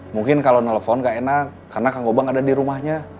mungkin kalau nelfon gak enak karena kang gobang ada di rumahnya